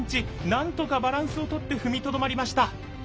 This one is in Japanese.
なんとかバランスをとって踏みとどまりました。